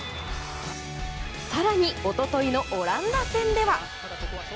更に一昨日のオランダ戦では。